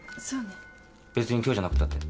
別に今日じゃなくたって。